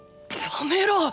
やめろッ！